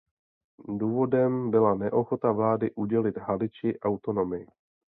Důvodem byla neochota vlády udělit Haliči autonomii.